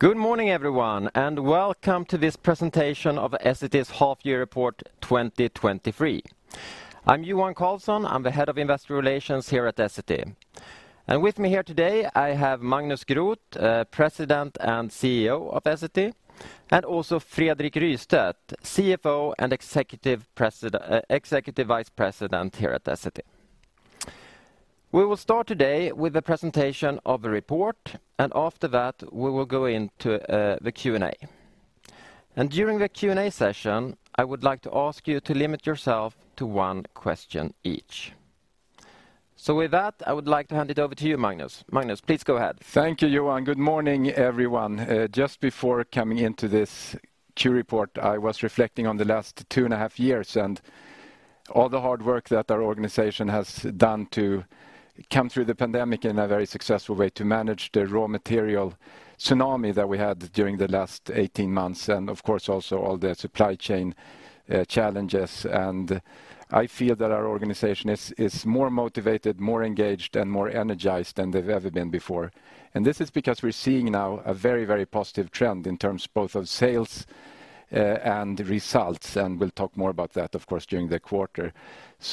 Good morning, everyone, welcome to this presentation of Essity's Half Year Report 2023. I'm Johan Karlsson. I'm the Head of Investor Relations here at Essity. With me here today, I have Magnus Groth, President and CEO of Essity, also Fredrik Rystedt, CFO and Executive Vice President here at Essity. We will start today with a presentation of the report, after that, we will go into the Q&A. During the Q&A session, I would like to ask you to limit yourself to one question each. With that, I would like to hand it over to you, Magnus. Magnus, please go ahead. Thank you, Johan. Good morning, everyone. Just before coming into this Q report, I was reflecting on the last 2 and a half years and all the hard work that our organization has done to come through the pandemic in a very successful way, to manage the raw material tsunami that we had during the last 18 months, of course, also all the supply chain challenges. I feel that our organization is more motivated, more engaged, and more energized than they've ever been before. This is because we're seeing now a very, very positive trend in terms both of sales and results, and we'll talk more about that, of course, during the quarter.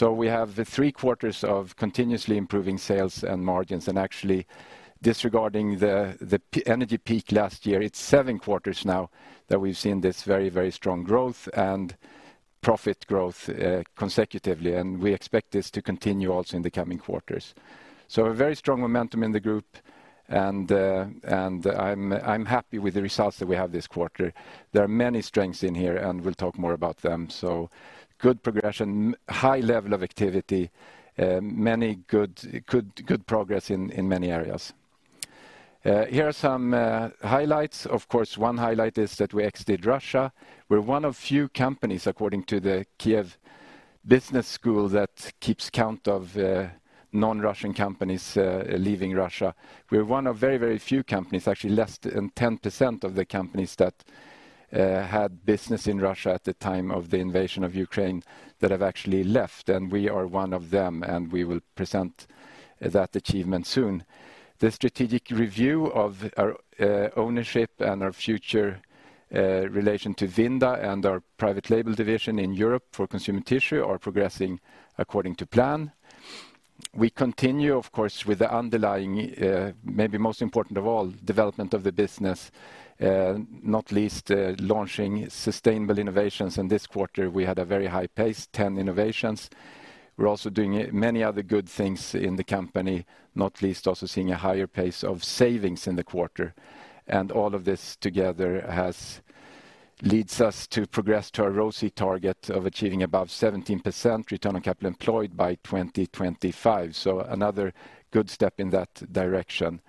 We have the 3 quarters of continuously improving sales and margins. Actually disregarding the energy peak last year, it's 7 quarters now that we've seen this very, very strong growth and profit growth consecutively, and we expect this to continue also in the coming quarters. A very strong momentum in the group. I'm happy with the results that we have this quarter. There are many strengths in here, and we'll talk more about them. Good progression, high level of activity, many good progress in many areas. Here are some highlights. Of course, one highlight is that we exited Russia. We're one of few companies, according to the Kyiv School of Economics, that keeps count of non-Russian companies leaving Russia. We're one of very, very few companies, actually less than 10% of the companies that had business in Russia at the time of the invasion of Ukraine, that have actually left, and we are one of them, and we will present that achievement soon. The strategic review of our ownership and our future relation to Vinda and our private label division in Europe for consumer tissue are progressing according to plan. We continue, of course, with the underlying, maybe most important of all, development of the business, not least, launching sustainable innovations, and this quarter, we had a very high pace, 10 innovations. We're also doing many other good things in the company, not least, also seeing a higher pace of savings in the quarter. All of this together leads us to progress to our ROCE target of achieving above 17% return on capital employed by 2025. Another good step in that direction.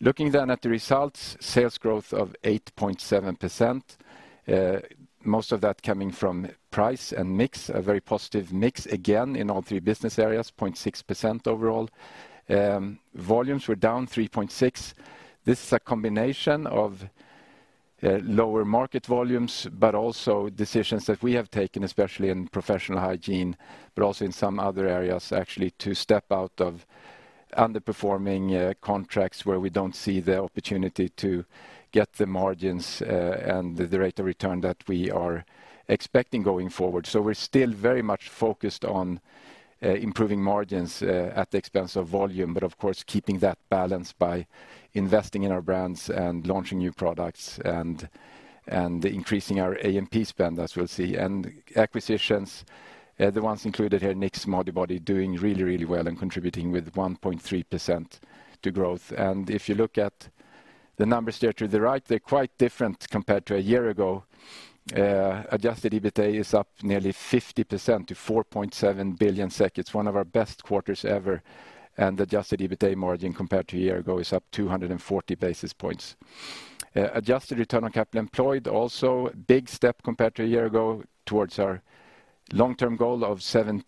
Looking then at the results, sales growth of 8.7%, most of that coming from price and mix, a very positive mix again, in all 3 business areas, 0.6% overall. Volumes were down 3.6%. This is a combination of lower market volumes, but also decisions that we have taken, especially in Professional Hygiene, but also in some other areas, actually, to step out of underperforming contracts where we don't see the opportunity to get the margins and the rate of return that we are expecting going forward. We're still very much focused on improving margins at the expense of volume, but of course, keeping that balance by investing in our brands and launching new products and increasing our AMP spend, as we'll see. Acquisitions, the ones included here, Knix, Modibodi, doing really, really well and contributing with 1.3% to growth. If you look at the numbers there to the right, they're quite different compared to a year ago. Adjusted EBITA is up nearly 50% to 4.7 billion. It's one of our best quarters ever, and adjusted EBITA margin compared to a year ago is up 240 basis points. Adjusted return on capital employed, also big step compared to a year ago towards our long-term goal of 17%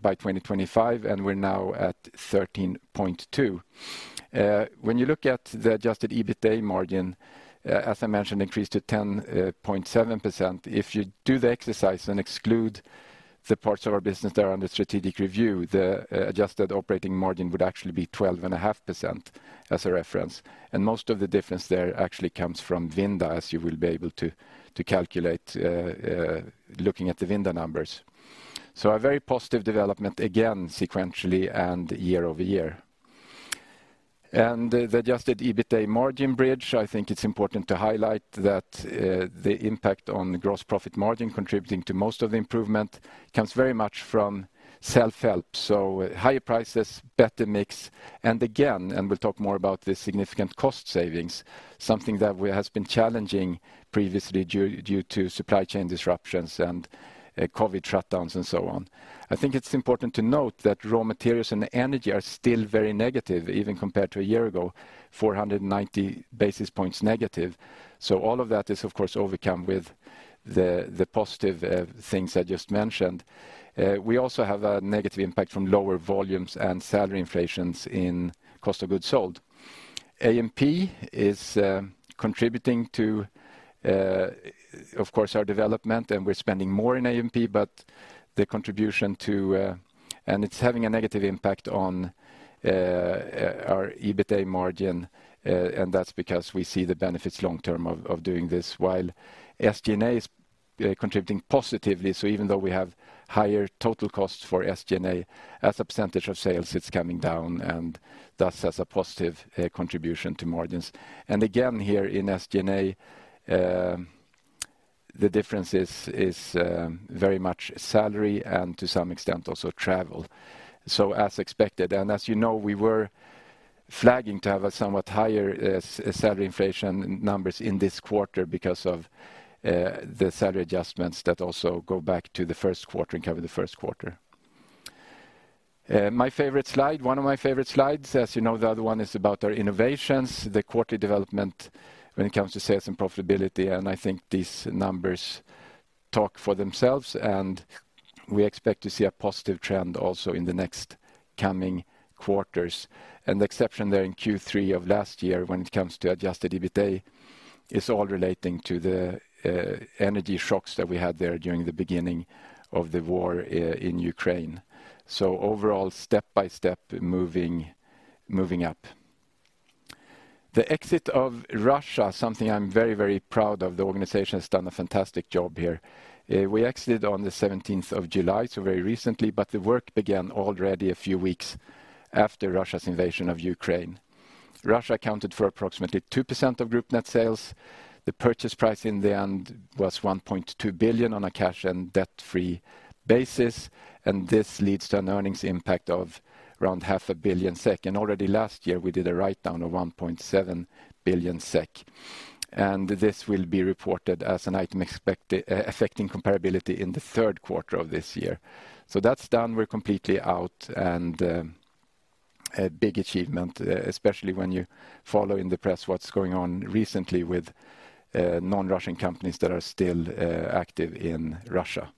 by 2025, and we're now at 13.2. When you look at the adjusted EBITA margin, as I mentioned, increased to 10.7%. If you do the exercise and exclude the parts of our business that are under strategic review, the adjusted operating margin would actually be 12.5% as a reference. Most of the difference there actually comes from Vinda, as you will be able to calculate, looking at the Vinda numbers. A very positive development, again, sequentially and year-over-year. The adjusted EBITA margin bridge, I think it's important to highlight that, the impact on gross profit margin contributing to most of the improvement comes very much from self-help, so higher prices, better mix, and again, and we'll talk more about the significant cost savings, something that has been challenging previously due to supply chain disruptions and COVID shutdowns and so on. I think it's important to note that raw materials and energy are still very negative, even compared to a year ago, 490 basis points negative. All of that is, of course, overcome with the positive things I just mentioned. We also have a negative impact from lower volumes and salary inflations in cost of goods sold. AMP is contributing to, of course, our development, and we're spending more in AMP, but the contribution to. It's having a negative impact on our EBITA margin, and that's because we see the benefits long term of doing this, while SG&A is contributing positively. Even though we have higher total costs for SG&A, as a percentage of sales, it's coming down, and thus as a positive contribution to margins. Again, here in SG&A, the difference is very much salary and to some extent, also travel. As expected, and as you know, we were flagging to have a somewhat higher salary inflation numbers in this quarter because of the salary adjustments that also go back to the Q1 and cover the Q1. My favorite slide, one of my favorite slides, as you know, the other one is about our innovations, the quarterly development when it comes to sales and profitability, and I think these numbers talk for themselves, and we expect to see a positive trend also in the next coming quarters. An exception there in Q3 of last year, when it comes to adjusted EBITA, is all relating to the energy shocks that we had there during the beginning of the war in Ukraine. Overall, step by step, moving up. The exit of Russia, something I'm very, very proud of. The organization has done a fantastic job here. We exited on the 17th of July, so very recently, but the work began already a few weeks after Russia's invasion of Ukraine. Russia accounted for approximately 2% of group net sales. The purchase price in the end was 1.2 billion on a cash and debt-free basis. This leads to an earnings impact of around half a billion SEK. Already last year, we did a write-down of 1.7 billion SEK. This will be reported as an item affecting comparability in the Q3 of this year. That's done. We're completely out, a big achievement, especially when you follow in the press what's going on recently with non-Russian companies that are still active in Russia.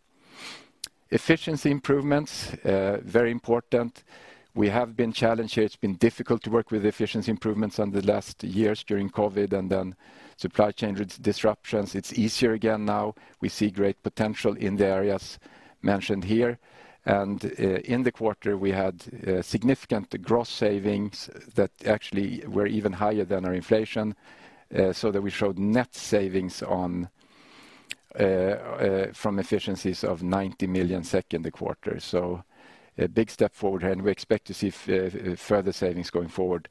Efficiency improvements, very important. We have been challenged here. It's been difficult to work with efficiency improvements on the last years during COVID and then supply chain disruptions. It's easier again now. We see great potential in the areas mentioned here, and in the quarter, we had significant gross savings that actually were even higher than our inflation, so that we showed net savings on from efficiencies of 90 million SEK in the quarter. A big step forward, and we expect to see further savings going forward.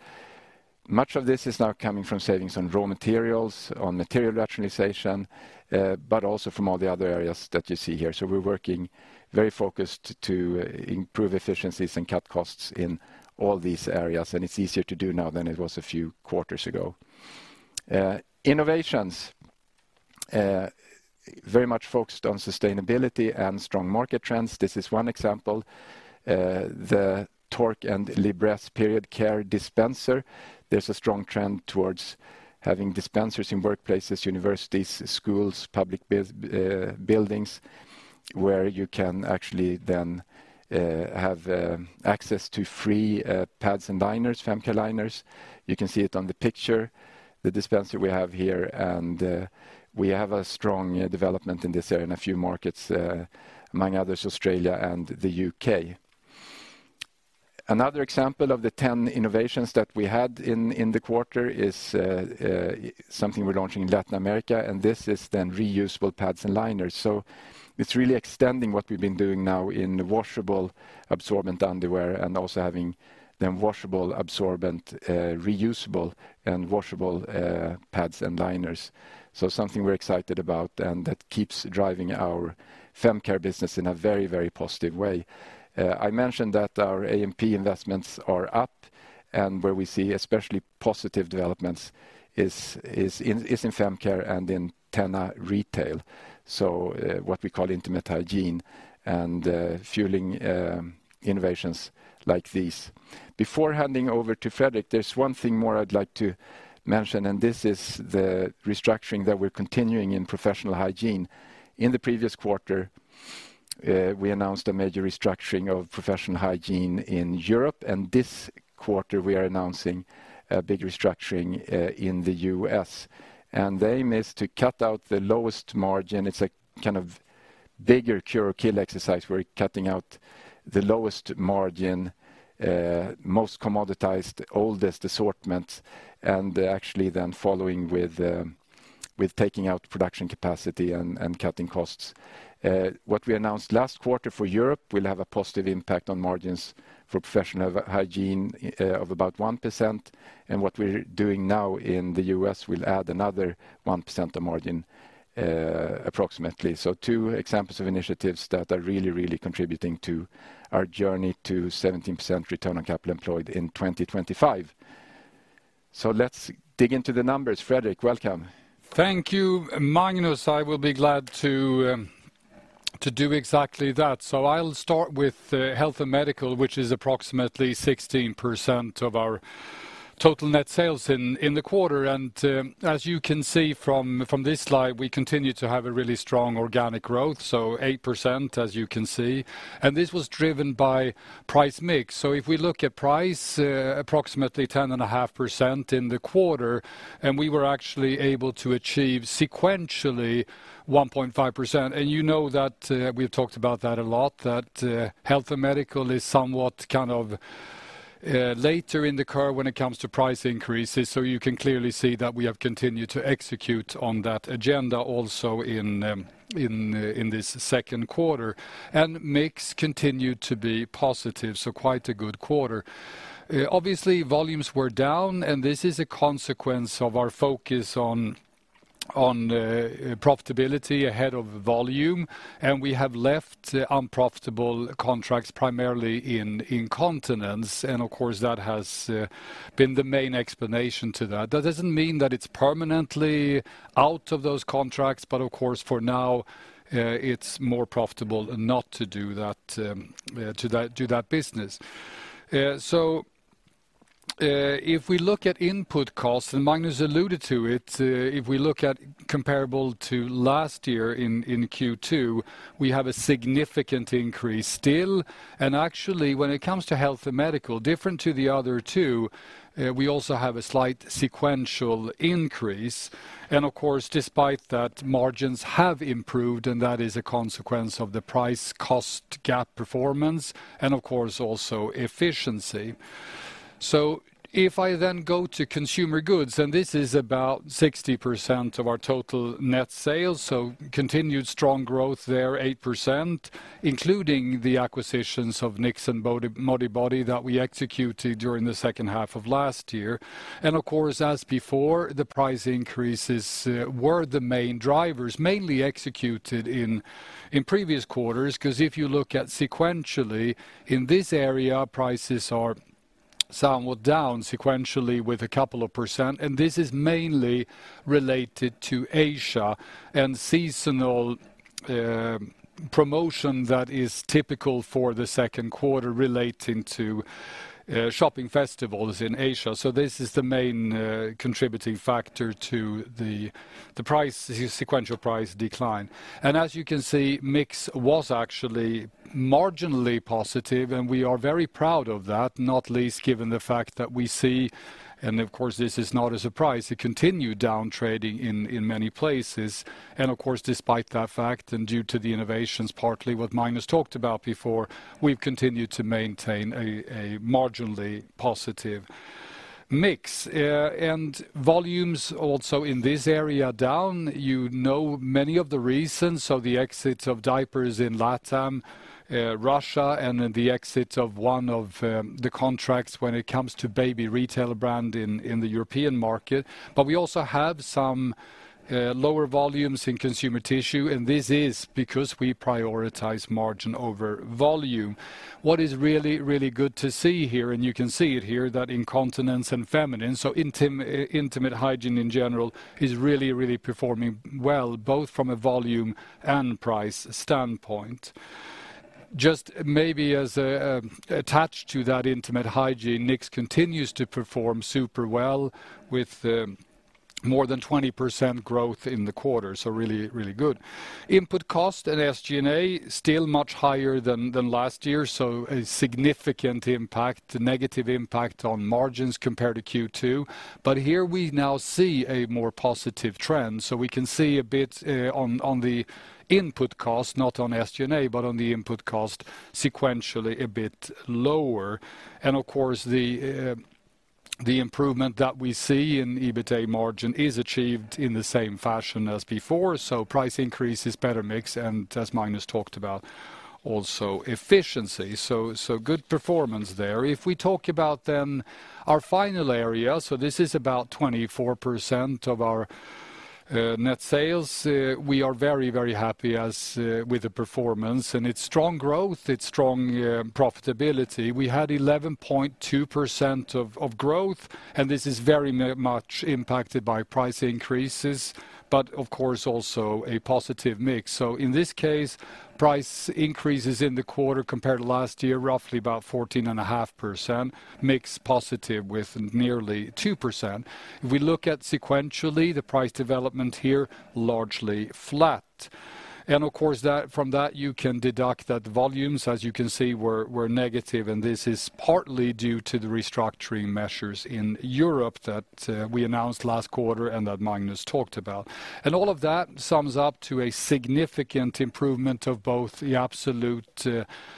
Much of this is now coming from savings on raw materials, on material rationalization, but also from all the other areas that you see here. We're working very focused to improve efficiencies and cut costs in all these areas, and it's easier to do now than it was a few quarters ago. Innovations very much focused on sustainability and strong market trends. This is one example, the Tork and Libresse Period Care Dispenser. There's a strong trend towards having dispensers in workplaces, universities, schools, public buildings, where you can actually then have access to free pads and liners, femcare liners. You can see it on the picture, the dispenser we have here, and we have a strong development in this area in a few markets, among others, Australia and the U.K. Another example of the 10 innovations that we had in the quarter is something we're launching in Latin America, and this is then reusable pads and liners. It's really extending what we've been doing now in washable, absorbent underwear, and also having them washable, absorbent reusable, and washable pads and liners. Something we're excited about and that keeps driving our femcare business in a very, very positive way. I mentioned that our AMP investments are up, and where we see especially positive developments is in femcare and in TENA retail, so what we call intimate hygiene and fueling innovations like these. Before handing over to Fredrik, there's one thing more I'd like to mention, and this is the restructuring that we're continuing in Professional Hygiene. In the previous quarter, we announced a major restructuring of Professional Hygiene in Europe, and this quarter we are announcing a big restructuring in the U.S., and the aim is to cut out the lowest margin. It's a kind of bigger cure or kill exercise. We're cutting out the lowest margin, most commoditized, oldest assortment, and actually then following with taking out production capacity and cutting costs. What we announced last quarter for Europe will have a positive impact on margins for Professional Hygiene, of about 1%, and what we're doing now in the U.S. will add another 1% of margin, approximately. 2 examples of initiatives that are really contributing to our journey to 17% return on capital employed in 2025. Let's dig into the numbers. Fredrik, welcome. Thank you, Magnus. I will be glad to do exactly that. I'll start with Health & Medical, which is approximately 16% of our total net sales in the quarter. As you can see from this slide, we continue to have a really strong organic growth, 8%, as you can see, and this was driven by price mix. If we look at price, approximately 10.5% in the quarter, and we were actually able to achieve sequentially 1.5%. You know that we've talked about that a lot, that Health & Medical is somewhat later in the curve when it comes to price increases, so you can clearly see that we have continued to execute on that agenda also in this Q2. Mix continued to be positive, so quite a good quarter. Obviously, volumes were down, and this is a consequence of our focus on profitability ahead of volume, and we have left unprofitable contracts primarily in continents. Of course, that has been the main explanation to that. That doesn't mean that it's permanently out of those contracts, but of course, for now, it's more profitable not to do that business. If we look at input costs, and Magnus alluded to it, if we look at comparable to last year in Q2, we have a significant increase still. Actually, when it comes to Health & Medical, different to the other 2, we also have a slight sequential increase. Of course, despite that, margins have improved, and that is a consequence of the price cost gap performance and of course, also efficiency. If I then go to consumer goods, and this is about 60% of our total net sales, continued strong growth there, 8%, including the acquisitions of Knix and Modibodi that we executed during the H2 of last year. Of course, as before, the price increases were the main drivers, mainly executed in previous quarters. Cause if you look at sequentially, in this area, prices are somewhat down sequentially with a couple of percent, and this is mainly related to Asia and seasonal promotion that is typical for the Q2 relating to shopping festivals in Asia. This is the main contributing factor to the sequential price decline. As you can see, mix was actually marginally positive, and we are very proud of that, not least given the fact that we see, and of course, this is not a surprise, a continued down trading in many places. Of course, despite that fact and due to the innovations, partly what Magnus talked about before, we've continued to maintain a marginally positive mix. Volumes also in this area are down. You know many of the reasons, so the exits of diapers in Latam, Russia, and then the exit of one of the contracts when it comes to baby retail brand in the European market. We also have some lower volumes in consumer tissue, and this is because we prioritize margin over volume. What is really, really good to see here, and you can see it here, that incontinence and feminine, so intimate hygiene in general is really, really performing well, both from a volume and price standpoint. Just maybe as a attached to that intimate hygiene, Knix continues to perform super well with more than 20% growth in the quarter, so really, really good. Input cost and SG&A, still much higher than last year, a significant impact, a negative impact on margins compared to Q2. Here we now see a more positive trend. We can see a bit on the input cost, not on SG&A, but on the input cost, sequentially a bit lower. Of course, the improvement that we see in EBITA margin is achieved in the same fashion as before. Price increase is better mix, and as Magnus talked about, also efficiency. Good performance there. If we talk about then our final area, so this is about 24% of our net sales, we are very happy as with the performance, and it's strong growth, it's strong profitability. We had 11.2% growth, and this is very much impacted by price increases, but of course, also a positive mix. In this case, price increases in the quarter compared to last year, roughly about 14.5%, mix positive with nearly 2%. If we look at sequentially, the price development here, largely flat. Of course, that, from that, you can deduct that the volumes, as you can see, were negative, and this is partly due to the restructuring measures in Europe that we announced last quarter and that Magnus talked about. All of that sums up to a significant improvement of both the absolute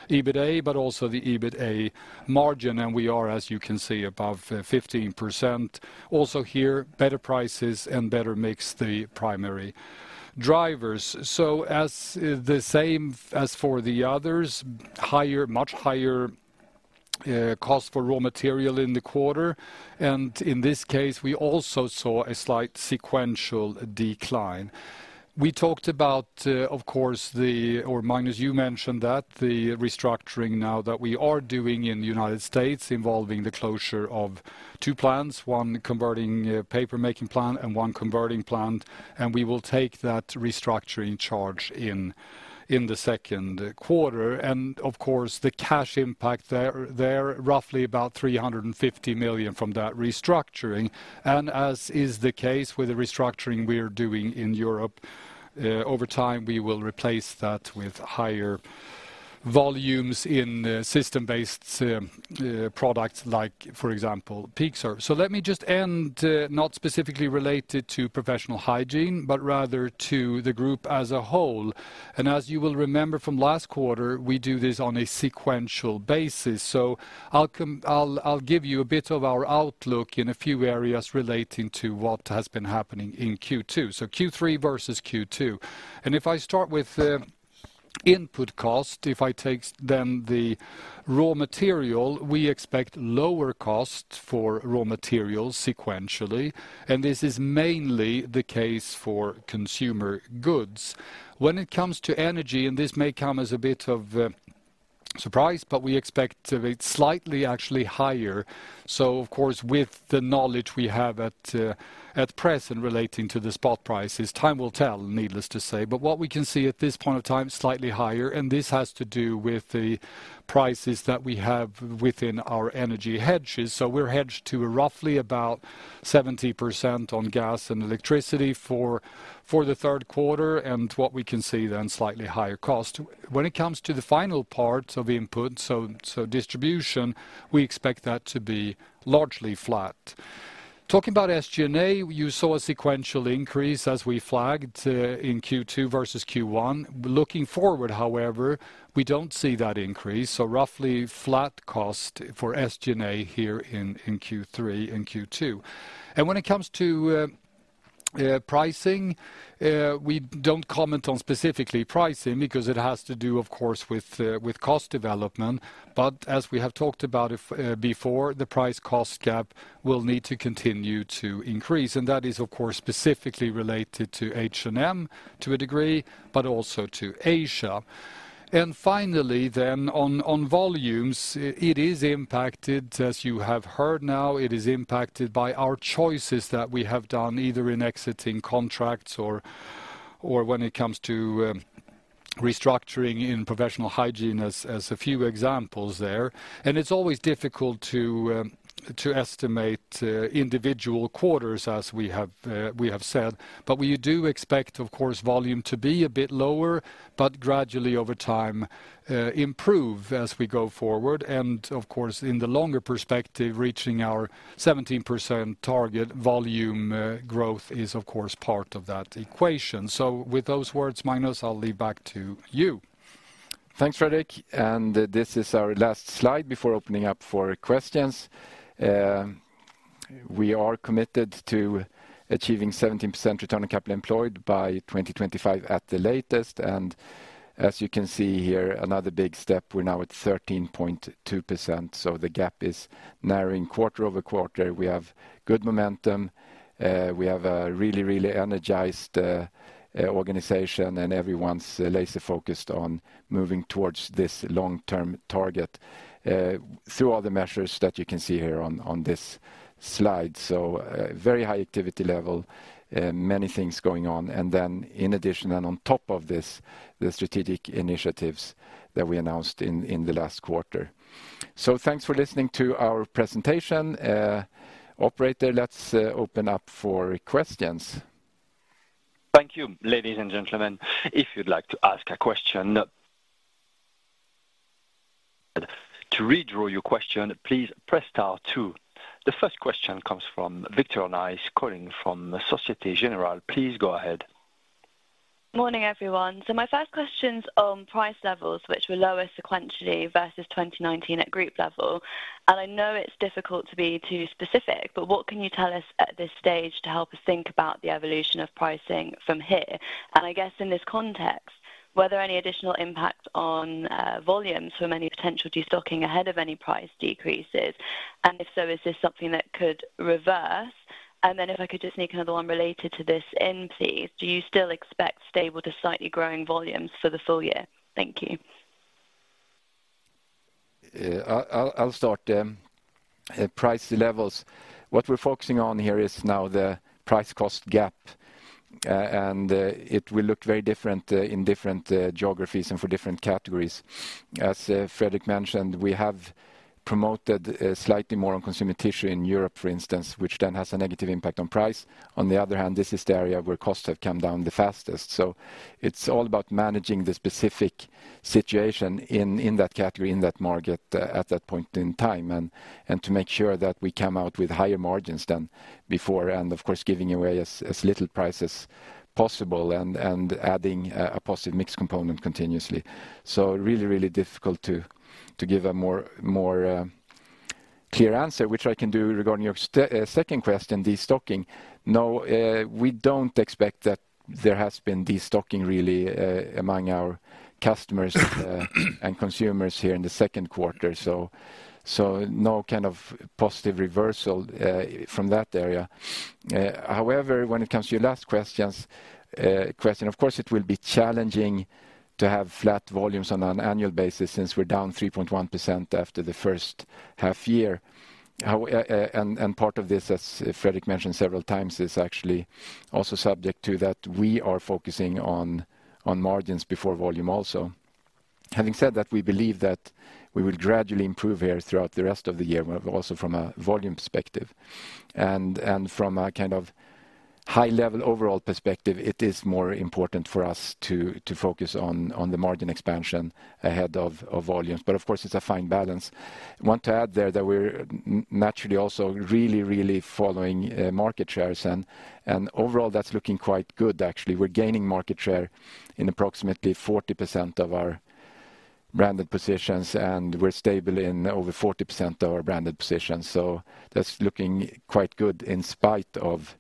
EBITA, but also the EBITA margin. We are, as you can see, above 15%. Also here, better prices and better mix, the primary drivers. As the same as for the others, higher, much higher cost for raw material in the quarter. In this case, we also saw a slight sequential decline. We talked about of course, the... Magnus, you mentioned that, the restructuring now that we are doing in the United States, involving the closure of 2 plants, one converting, paper-making plant and one converting plant, we will take that restructuring charge in the Q2. Of course, the cash impact there, roughly about 350 million from that restructuring. As is the case with the restructuring we're doing in Europe, over time, we will replace that with higher volumes in system-based products like, for example, Peak Serve. Let me just end, not specifically related to Professional Hygiene, but rather to the group as a whole. As you will remember from last quarter, we do this on a sequential basis. I'll give you a bit of our outlook in a few areas relating to what has been happening in Q2, so Q3 versus Q2. If I start with the input cost, if I take then the raw material, we expect lower cost for raw materials sequentially, and this is mainly the case for consumer goods. When it comes to energy, and this may come as a bit of surprise, but we expect it slightly, actually, higher. Of course, with the knowledge we have at present relating to the spot prices, time will tell, needless to say. What we can see at this point of time, slightly higher, and this has to do with the prices that we have within our energy hedges. We're hedged to roughly about 70% on gas and electricity for the Q3, and what we can see then, slightly higher cost. When it comes to the final part of input, so distribution, we expect that to be largely flat. Talking about SG&A, you saw a sequential increase as we flagged in Q2 versus Q1. Looking forward, however, we don't see that increase, so roughly flat cost for SG&A here in Q3 and Q2. When it comes to pricing, we don't comment on specifically pricing because it has to do, of course, with cost development. But as we have talked about it before, the price-cost gap will need to continue to increase, and that is, of course, specifically related to Health & Medical, to a degree, but also to Asia. On volumes, it is impacted, as you have heard now, it is impacted by our choices that we have done, either in exiting contracts or when it comes to restructuring in Professional Hygiene, as a few examples there. It's always difficult to estimate individual quarters as we have said. We do expect, of course, volume to be a bit lower, but gradually over time, improve as we go forward. Of course, in the longer perspective, reaching our 17% target volume growth is, of course, part of that equation. With those words, Magnus, I'll leave back to you. Thanks, Fredrik. This is our last slide before opening up for questions. We are committed to achieving 17% return on capital employed by 2025 at the latest, and as you can see here, another big step, we're now at 13.2%, so the gap is narrowing quarter-over-quarter. We have a really energized organization, and everyone's laser-focused on moving towards this long-term target through all the measures that you can see here on this slide. Very high activity level, many things going on. In addition, and on top of this, the strategic initiatives that we announced in the last quarter. Thanks for listening to our presentation. Operator, let's open up for questions. Thank you. Ladies and gentlemen, if you'd like to ask a question, to redraw your question, please press star 2. The first question comes from Victoria Nice, calling from Société Générale. Please go ahead. Morning, everyone. My first question's on price levels, which were lower sequentially versus 2019 at group level. I know it's difficult to be too specific, but what can you tell us at this stage to help us think about the evolution of pricing from here? I guess in this context, were there any additional impact on volumes from any potential destocking ahead of any price decreases? If so, is this something that could reverse? If I could just sneak another one related to this in, please, do you still expect stable to slightly growing volumes for the full year? Thank you. I'll start. Price levels. What we're focusing on here is now the price-cost gap, and it will look very different in different geographies and for different categories. As Fredrik mentioned, we have promoted slightly more on consumer tissue in Europe, for instance, which then has a negative impact on price. On the other hand, this is the area where costs have come down the fastest. It's all about managing the specific situation in that category, in that market, at that point in time, and to make sure that we come out with higher margins than before. Of course, giving away as little price as possible and adding a positive mix component continuously. Really difficult to give a more clear answer, which I can do regarding your second question, de-stocking. No, we don't expect that there has been de-stocking really among our customers and consumers here in the Q2, so no kind of positive reversal from that area. However, when it comes to your last question, of course, it will be challenging to have flat volumes on an annual basis since we're down 3.1% after the H1 year. Part of this, as Fredrik mentioned several times, is actually also subject to that we are focusing on margins before volume also. Having said that, we believe that we will gradually improve here throughout the rest of the year, but also from a volume perspective. From a kind of high level overall perspective, it is more important for us to focus on the margin expansion ahead of volumes. Of course, it's a fine balance. I want to add there that we're naturally also really following market shares, and overall, that's looking quite good, actually. We're gaining market share in approximately 40% of our branded positions, and we're stable in over 40% of our branded positions. That's looking quite good in spite of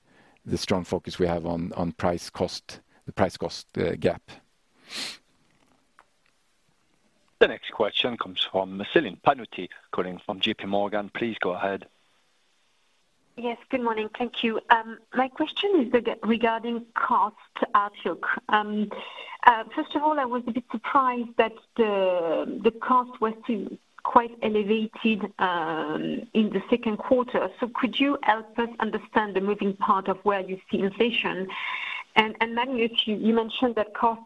the strong focus we have on price cost, the price-cost gap. The next question comes from Celine Pannuti, calling from J.P. Morgan. Please go ahead. Yes, good morning. Thank you. My question is regarding cost outlook. First of all, I was a bit surprised that the cost was still quite elevated in the Q2. Could you help us understand the moving part of where you see inflation? Magnus, you mentioned that costs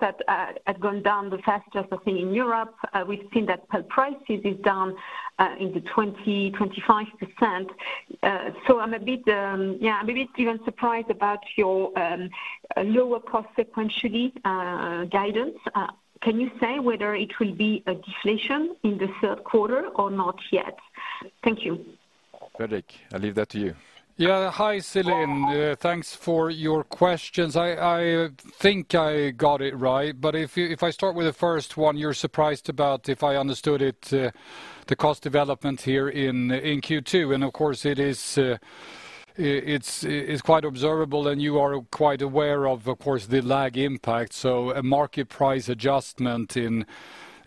had gone down the fastest, I think, in Europe. We've seen that pulp prices is down in the 20%-25%. I'm a bit, yeah, a bit even surprised about your lower cost sequentially guidance. Can you say whether it will be a deflation in the Q3 or not yet? Thank you. Fredrik, I'll leave that to you. Hi, Celine. Thanks for your questions. I think I got it right, but if I start with the first one, you're surprised about, if I understood it, the cost development here in Q2, and of course, it is, it's quite observable, and you are quite aware of course, the lag impact. A market price adjustment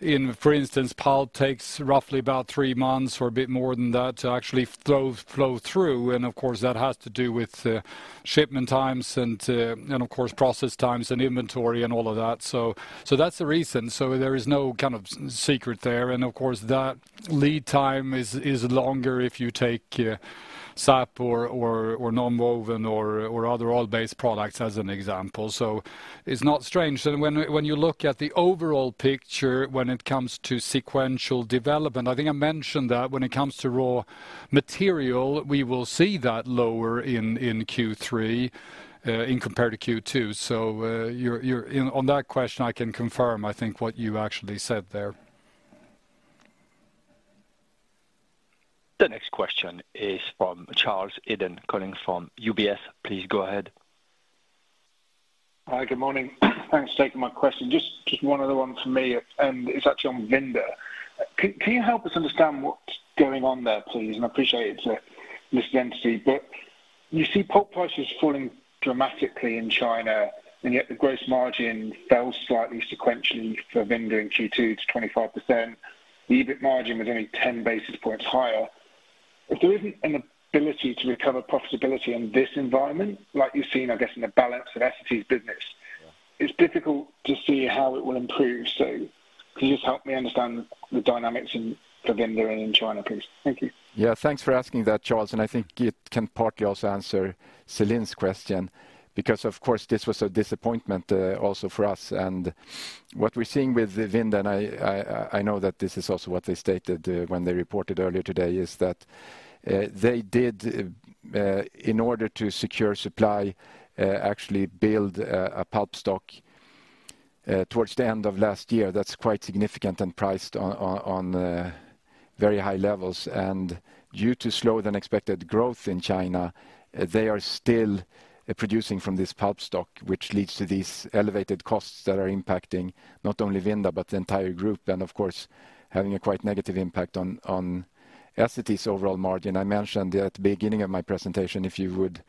in, for instance, pulp takes roughly about 3 months or a bit more than that to actually flow through. Of course, that has to do with shipment times and of course, process times and inventory and all of that. That's the reason. There is no kind of secret there. Of course, that lead time is longer if you take SAP or nonwoven or other oil-based products as an example. It's not strange. When you look at the overall picture, when it comes to sequential development, I think I mentioned that when it comes to raw material, we will see that lower in Q3 compared to Q2. In on that question, I can confirm, I think, what you actually said there. The next question is from Charles Eden, calling from UBS. Please go ahead. Hi, good morning. Thanks for taking my question. Just one other one from me, and it's actually on Vinda. Can you help us understand what's going on there, please? I appreciate it, Guillaume Delmas, you see pulp prices falling dramatically in China, yet the gross margin fell slightly sequentially for Vinda in Q2 to 25%. The EBIT margin was only 10 basis points higher. If there isn't an ability to recover profitability in this environment, like you've seen, I guess, in the balance of Essity's business, it's difficult to see how it will improve. Could you just help me understand the dynamics in, for Vinda and in China, please? Thank you. Yeah, thanks for asking that, Charles. I think it can partly also answer Celine's question because, of course, this was a disappointment also for us. What we're seeing with Vinda, and I know that this is also what they stated when they reported earlier today, is that they did in order to secure supply actually build a pulp stock towards the end of last year. That's quite significant and priced on very high levels. Due to slower than expected growth in China, they are still producing from this pulp stock, which leads to these elevated costs that are impacting not only Vinda, but the entire group, and of course, having a quite negative impact on Essity's overall margin. I mentioned at the beginning of my presentation, if you would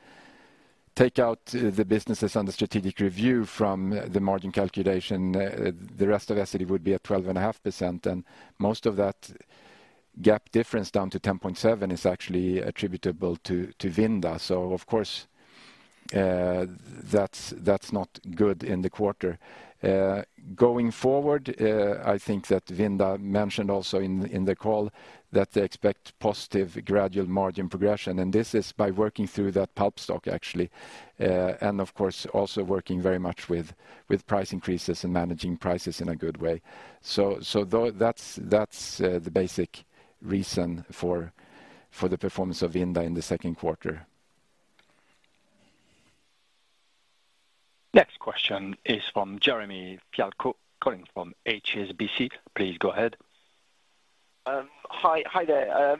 take out the businesses under strategic review from the margin calculation, the rest of Essity would be at 12.5%, and most of that gap difference down to 10.7% is actually attributable to Vinda. Of course, that's not good in the quarter. Going forward, I think that Vinda mentioned also in the call that they expect positive gradual margin progression, and this is by working through that pulp stock, actually. And of course, also working very much with price increases and managing prices in a good way. That's the basic reason for the performance of Vinda in the Q2. Next question is from Jeremy Fialko, calling from HSBC. Please go ahead. Hi. Hi there.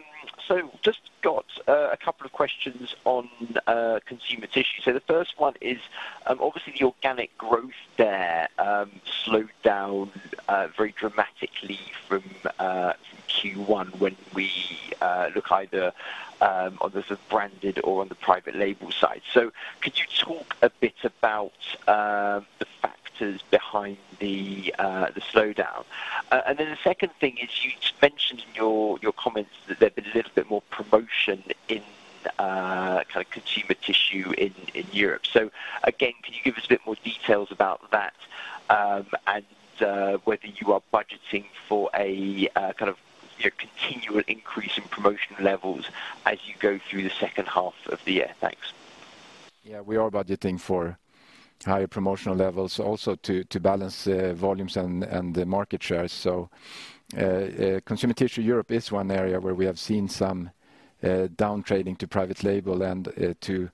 Just got a couple of questions on consumer tissue. The first one is, obviously the organic growth there slowed down very dramatically from Q1 when we look either on the sort of branded or on the private label side. Could you talk a bit about the factors behind the slowdown? The second thing is, you mentioned in your comments that there's been a little bit more promotion in kind of consumer tissue in Europe. Again, can you give us a bit more details about that, and whether you are budgeting for a kind of, you know, continual increase in promotion levels as you go through the H2 of the year? Thanks. Yeah, we are budgeting for higher promotional levels also to balance volumes and the market shares. Consumer tissue Europe is one area where we have seen some down trading to private label and to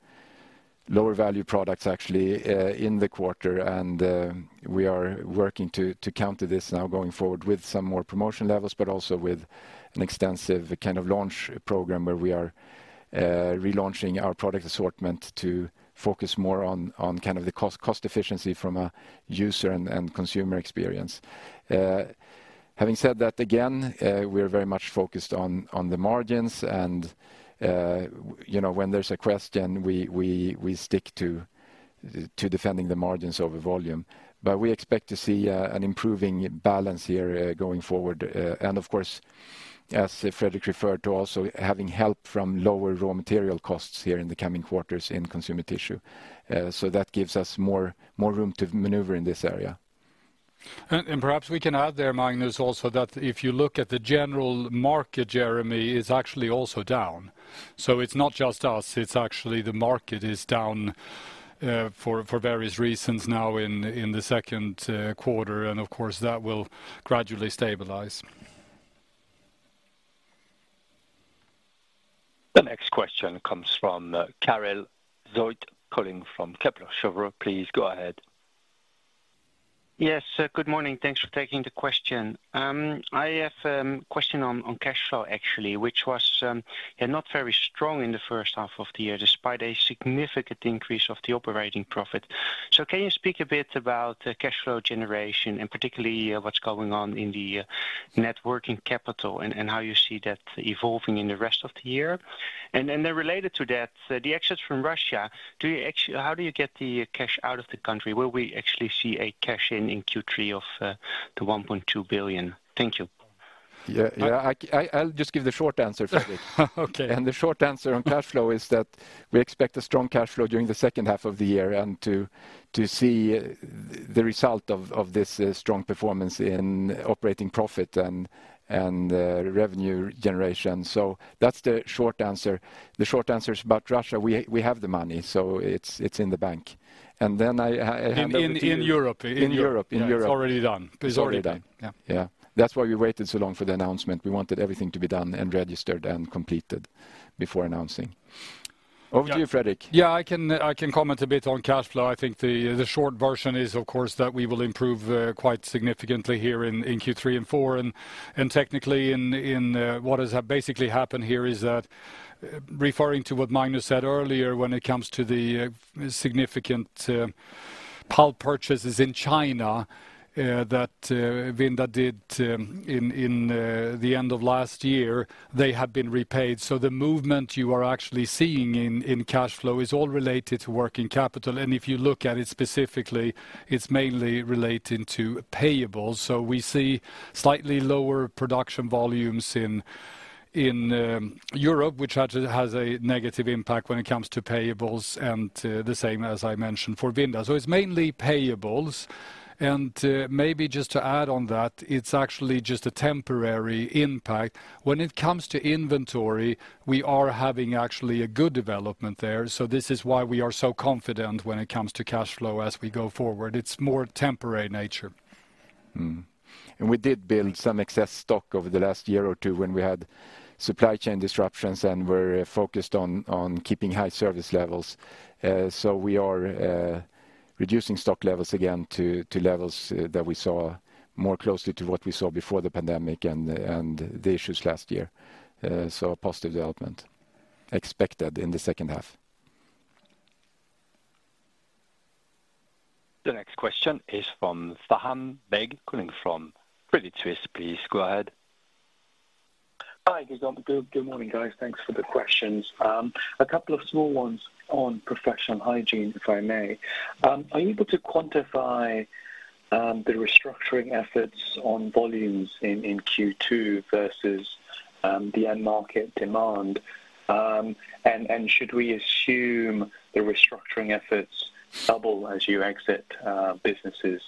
lower value products, actually, in the quarter. We are working to counter this now going forward with some more promotion levels, but also with an extensive kind of launch program, where we are relaunching our product assortment to focus more on kind of the cost efficiency from a user and consumer experience. Having said that, again, we're very much focused on the margins and, you know, when there's a question, we stick to defending the margins over volume. We expect to see an improving balance here going forward. Of course, as Fredrik referred to also, having help from lower raw material costs here in the coming quarters in consumer tissue. That gives us more room to maneuver in this area. Perhaps we can add there, Magnus, also, that if you look at the general market, Jeremy, it's actually also down. It's not just us, it's actually the market is down for various reasons now in the Q2, and of course, that will gradually stabilize. The next question comes from Karel Zoete, calling from Kepler Cheuvreux. Please, go ahead. Yes, good morning. Thanks for taking the question. I have a question on cash flow, actually, which was not very strong in the H1 of the year, despite a significant increase of the Operating Profit. Can you speak a bit about the cash flow generation, and particularly, what's going on in the Networking Capital, and how you see that evolving in the rest of the year? Related to that, the exits from Russia, do you actually how do you get the cash out of the country? Will we actually see a cash in in Q3 of 1.2 billion? Thank you. Yeah. Yeah, I'll just give the short answer, Fredrik. Okay. The short answer on cash flow is that we expect a strong cash flow during the H2 of the year, and to see the result of this strong performance in operating profit and revenue generation. That's the short answer. The short answers about Russia, we have the money, so it's in the bank. Then I hand over to you- In Europe. In Europe. It's already done. It's already done. Yeah. Yeah. That's why we waited so long for the announcement. We wanted everything to be done and registered and completed before announcing. Over to you, Fredrik. Yeah, I can comment a bit on cash flow. I think the short version is, of course, that we will improve quite significantly here in Q3 and 4. And technically, in what has basically happened here is that, referring to what Magnus said earlier, when it comes to the significant pulp purchases in China, that Vinda did in the end of last year, they have been repaid. The movement you are actually seeing in cash flow is all related to working capital. If you look at it specifically, it's mainly relating to payables. We see slightly lower production volumes in Europe, which actually has a negative impact when it comes to payables, and the same as I mentioned, for Vinda. It's mainly payables, and maybe just to add on that, it's actually just a temporary impact. When it comes to inventory, we are having actually a good development there. This is why we are so confident when it comes to cash flow as we go forward. It's more temporary nature. We did build some excess stock over the last year or 2 when we had supply chain disruptions and were focused on keeping high service levels. We are reducing stock levels again to levels that we saw more closely to what we saw before the pandemic and the issues last year. A positive development expected in the H2. The next question is from Faham Baig, calling from Berenberg. Please, go ahead. Hi, good morning, guys. Thanks for the questions. A couple of small ones on Professional Hygiene, if I may. Are you able to quantify the restructuring efforts on volumes in Q2 versus the end market demand? Should we assume the restructuring efforts double as you exit businesses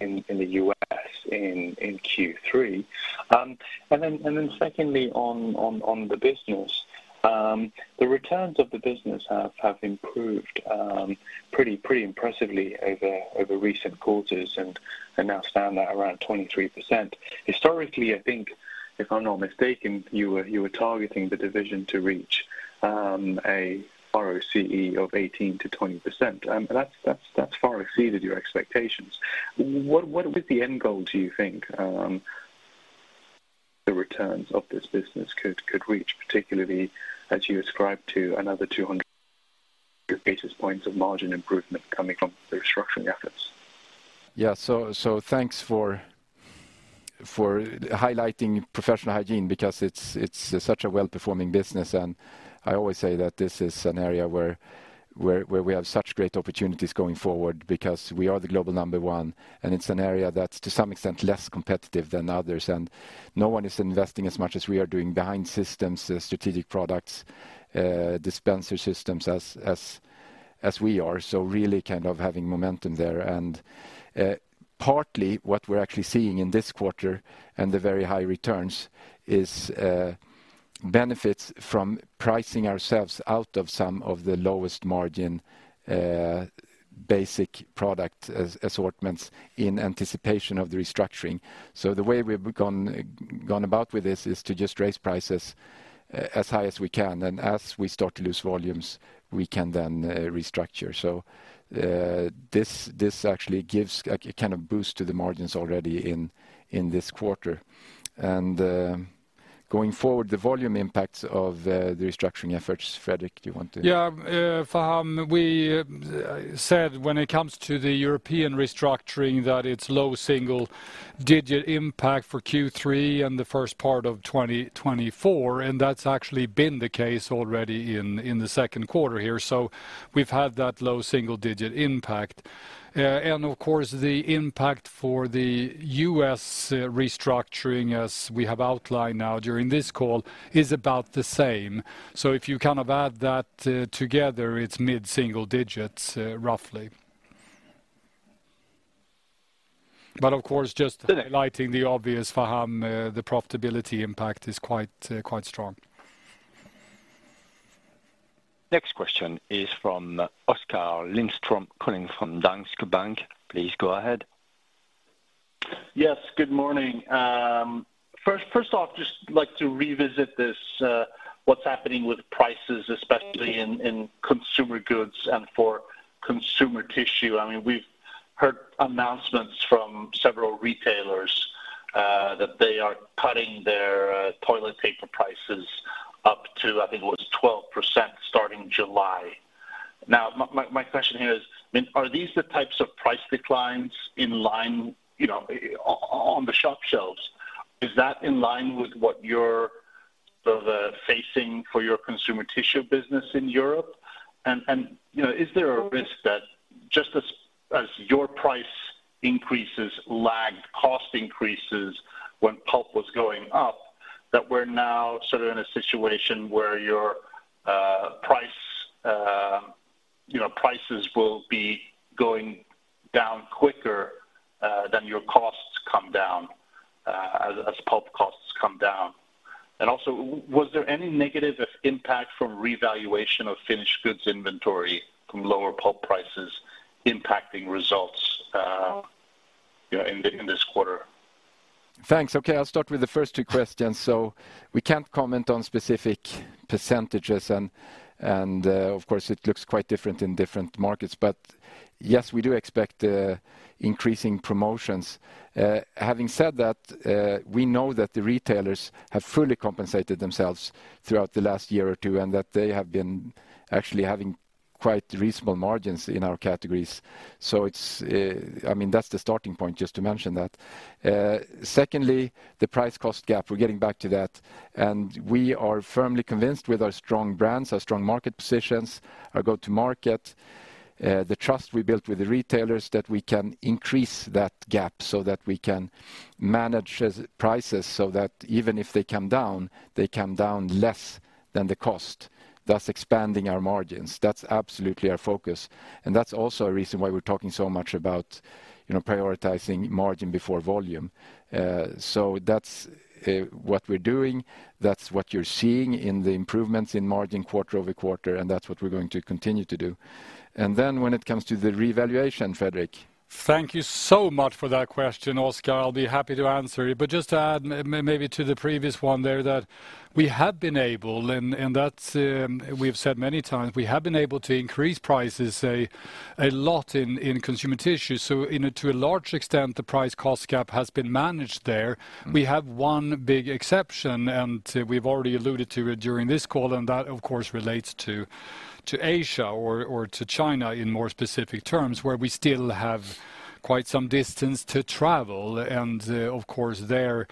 in the U.S. in Q3? Secondly, on the business, the returns of the business have improved pretty impressively over recent quarters and now stand at around 23%. Historically, I think, if I'm not mistaken, you were targeting the division to reach a ROCE of 18%-20%, and that's far exceeded your expectations. What is the end goal, do you think, the returns of this business could reach, particularly as you ascribe to another 200 basis points of margin improvement coming from the restructuring efforts? Thanks for highlighting Professional Hygiene, because it's such a well-performing business. I always say that this is an area where we have such great opportunities going forward because we are the global number one, and it's an area that's, to some extent, less competitive than others. No one is investing as much as we are doing behind systems, strategic products, dispenser systems, as we are. Really kind of having momentum there. Partly what we're actually seeing in this quarter and the very high returns is benefits from pricing ourselves out of some of the lowest margin, basic product assortments in anticipation of the restructuring. The way we've gone about with this is to just raise prices as high as we can, and as we start to lose volumes, we can then restructure. This actually gives a kind of boost to the margins already in this quarter. Going forward, the volume impacts of the restructuring efforts. Fredrik, do you want to? Yeah, Faham, we said when it comes to the European restructuring, that it's low single digit impact for Q3 and the first part of 2024, and that's actually been the case already in the Q2 here. We've had that low single digit impact. And of course, the impact for the U.S. restructuring, as we have outlined now during this call, is about the same. If you kind of add that together, it's mid-single digits, roughly. Of course, highlighting the obvious, Faham, the profitability impact is quite strong. Next question is from Oskar Lindström, calling from Danske Bank. Please go ahead. Yes, good morning. First off, just like to revisit this, what's happening with prices, especially in consumer goods and for consumer tissue. I mean, we've heard announcements from several retailers, that they are cutting their toilet paper prices up to, I think it was 12%, starting July. Now, my, my question here is, I mean, are these the types of price declines in line, you know, on the shop shelves? Is that in line with what you're, sort of, facing for your consumer tissue business in Europe? You know, is there a risk that just as your price increases lagged cost increases when pulp was going up, that we're now sort of in a situation where your price, you know, prices will be going down quicker than your costs come down as pulp costs come down? Also, was there any negative impact from revaluation of finished goods inventory from lower pulp prices impacting results, you know, in this quarter? Thanks. Okay, I'll start with the first 2 questions. We can't comment on specific percentages, and of course, it looks quite different in different markets. Yes, we do expect the increasing promotions. Having said that, we know that the retailers have fully compensated themselves throughout the last year or 2, and that they have been actually having quite reasonable margins in our categories. It's, I mean, that's the starting point, just to mention that. Secondly, the price cost gap, we're getting back to that. We are firmly convinced, with our strong brands, our strong market positions, our go-to-market, the trust we built with the retailers, that we can increase that gap so that we can manage prices, so that even if they come down, they come down less than the cost, thus expanding our margins. That's absolutely our focus, and that's also a reason why we're talking so much about, you know, prioritizing margin before volume. That's what we're doing, that's what you're seeing in the improvements in margin quarter-over-quarter, and that's what we're going to continue to do. Then when it comes to the revaluation, Fredrik? Thank you so much for that question, Oskar. I'll be happy to answer it. Just to add maybe to the previous one there, that we have been able, and that, we've said many times, we have been able to increase prices a lot in consumer tissue. To a large extent, the price cost gap has been managed there. Mm. We have one big exception, and, we've already alluded to it during this call, and that, of course, relates to Asia or to China, in more specific terms, where we still have quite some distance to travel. Of course, there,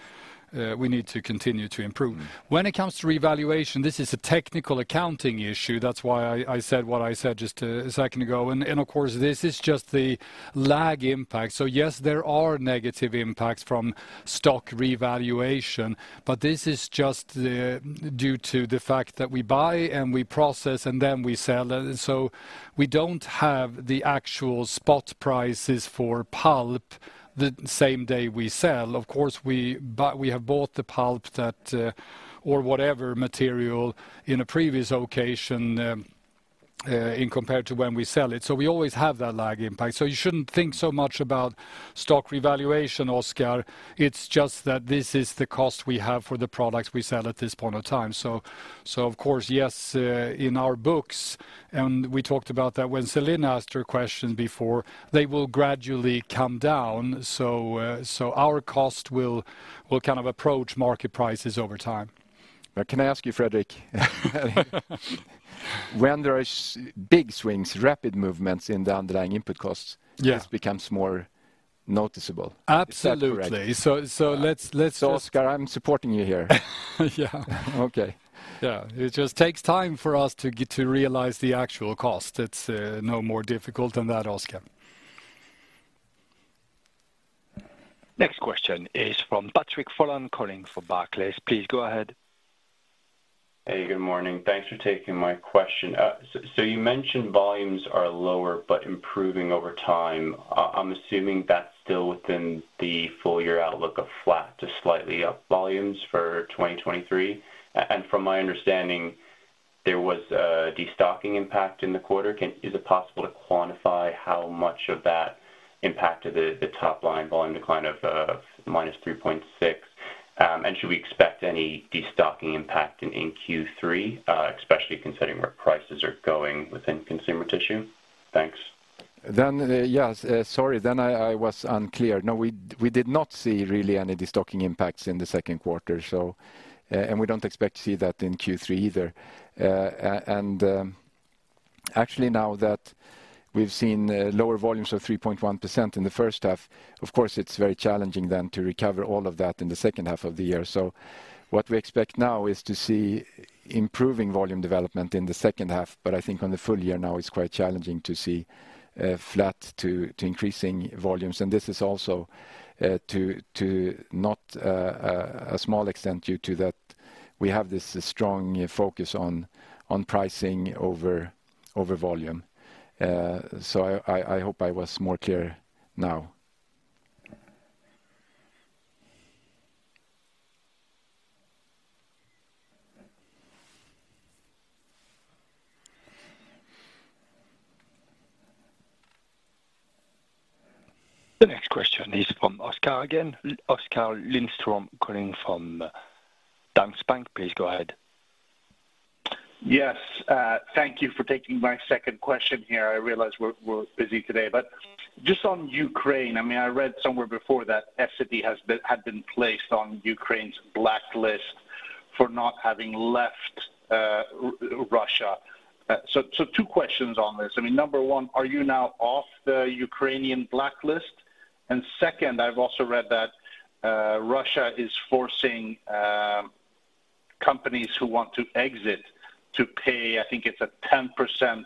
we need to continue to improve. Mm. When it comes to revaluation, this is a technical accounting issue. That's why I said what I said just a second ago. Of course, this is just the lag impact. Yes, there are negative impacts from stock revaluation, but this is just due to the fact that we buy, and we process, and then we sell. We don't have the actual spot prices for pulp the same day we sell. Of course, we have bought the pulp that or whatever material in a previous occasion in compared to when we sell it. We always have that lag impact. You shouldn't think so much about stock revaluation, Oskar. It's just that this is the cost we have for the products we sell at this point in time. Of course, yes, in our books, and we talked about that when Celine asked her question before, they will gradually come down, so our cost will kind of approach market prices over time. Can I ask you, Fredrik, when there is big swings, rapid movements in the underlying input costs? Yeah this becomes more noticeable. Absolutely. Is that correct? Let's just. Oscar, I'm supporting you here. Yeah. Okay. Yeah. It just takes time for us to get to realize the actual cost. It's no more difficult than that, Oskar. Next question is from Patrick Folan, calling for Barclays. Please go ahead. Hey, good morning. Thanks for taking my question. You mentioned volumes are lower but improving over time. I'm assuming that's still within the full year outlook of flat to slightly up volumes for 2023. From my understanding, there was a destocking impact in the quarter. Is it possible to quantify how much of that impacted the top line volume decline of minus 3.6? Should we expect any destocking impact in Q3, especially considering where prices are going within consumer tissue? Thanks.... Yes, sorry, then I was unclear. No, we did not see really any destocking impacts in the Q2. We don't expect to see that in Q3 either. Actually, now that we've seen lower volumes of 3.1% in the H1, of course, it's very challenging then to recover all of that in the H2 of the year. What we expect now is to see improving volume development in the H2, but I think on the full year now, it's quite challenging to see flat to increasing volumes. This is also to not a small extent due to that we have this strong focus on pricing over volume. I hope I was more clear now. The next question is from Oscar again. Oskar Lindström calling from Danske Bank. Please go ahead. Yes, thank you for taking my second question here. I realize we're busy today, but just on Ukraine, I mean, I read somewhere before that Essity had been placed on Ukraine's blacklist for not having left Russia. 2 questions on this. I mean, number 1, are you now off the Ukrainian blacklist? Second, I've also read that Russia is forcing companies who want to exit to pay, I think it's a 10%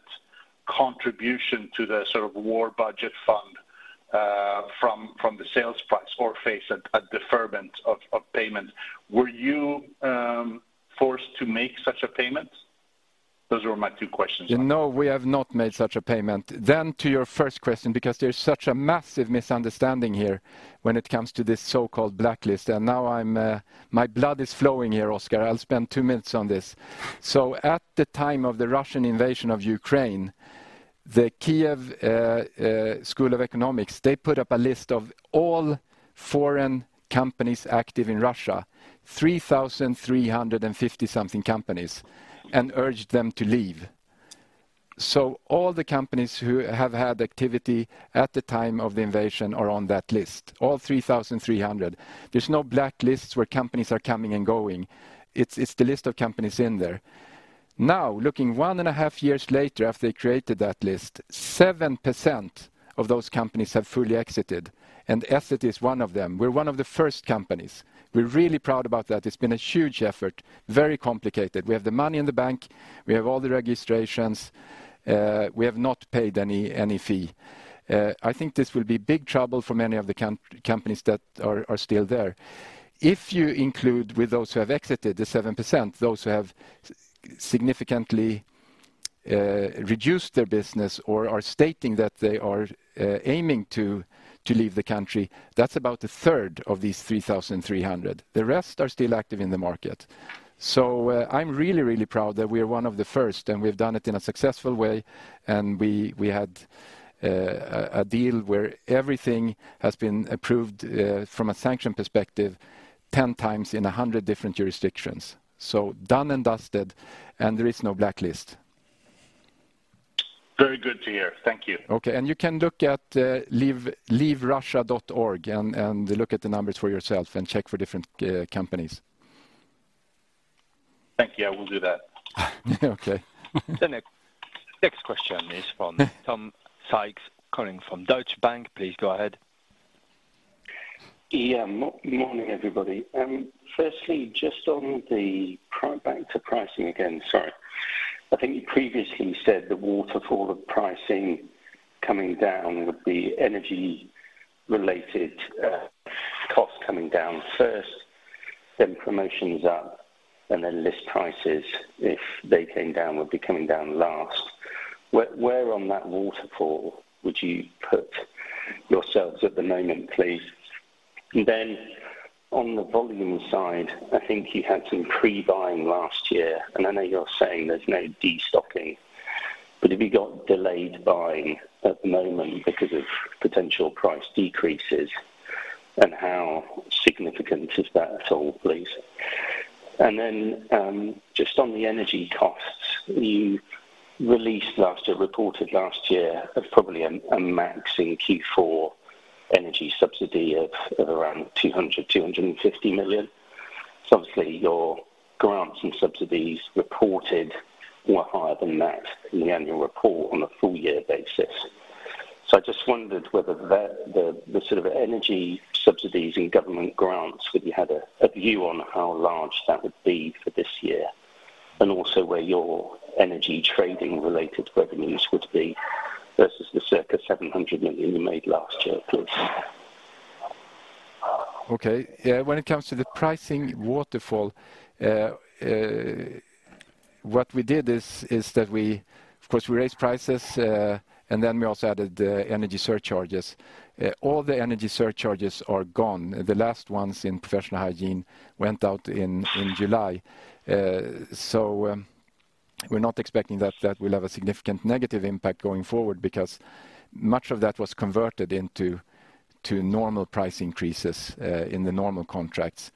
contribution to the sort of war budget fund, from the sales price or face a deferment of payment. Were you forced to make such a payment? Those were my two questions. No, we have not made such a payment. To your first question, because there's such a massive misunderstanding here when it comes to this so-called blacklist, and now I'm, my blood is flowing here, Oskar. I'll spend 2 minutes on this. At the time of the Russian invasion of Ukraine, the Kyiv School of Economics, they put up a list of all foreign companies active in Russia, 3,350 something companies, and urged them to leave. All the companies who have had activity at the time of the invasion are on that list, all 3,300. There's no blacklists where companies are coming and going. It's the list of companies in there. Now, looking 1.5 years later after they created that list, 7% of those companies have fully exited, and Essity is 1 of them. We're 1 of the first companies. We're really proud about that. It's been a huge effort, very complicated. We have the money in the bank, we have all the registrations, we have not paid any fee. I think this will be big trouble for many of the companies that are still there. If you include with those who have exited, the 7%, those who have significantly reduced their business or are stating that they are aiming to leave the country, that's about 1/3 of these 3,300. The rest are still active in the market. I'm really, really proud that we are one of the first, and we've done it in a successful way, and we had a deal where everything has been approved, from a sanction perspective, 10 times in 100 different jurisdictions. Done and dusted, and there is no blacklist. Very good to hear. Thank you. Okay, you can look at leaverussia.org and look at the numbers for yourself and check for different companies. Thank you. I will do that. Okay. The next question is from Tom Sykes, calling from Deutsche Bank. Please go ahead. Yeah. Morning, everybody. firstly, back to pricing again, sorry. I think you previously said the waterfall of pricing coming down with the energy-related cost coming down first, then promotions up, and then list prices, if they came down, would be coming down last. Where on that waterfall would you put yourselves at the moment, please? On the volume side, I think you had some pre-buying last year, and I know you're saying there's no destocking, but have you got delayed buying at the moment because of potential price decreases, and how significant is that at all, please? just on the energy costs, you released last year, reported last year, of probably a max in Q4 energy subsidy of around 200 million-250 million. Obviously, your grants and subsidies reported were higher than that in the annual report on a full year basis. I just wondered whether the sort of energy subsidies and government grants, whether you had a view on how large that would be for this year, and also where your energy trading-related revenues would be versus the circa 700 million you made last year, please. Okay. Yeah, when it comes to the pricing waterfall, what we did is that we Of course, we raised prices, and then we also added the energy surcharges. All the energy surcharges are gone. The last ones in Professional Hygiene went out in July. We're not expecting that that will have a significant negative impact going forward because much of that was converted into normal price increases in the normal contracts.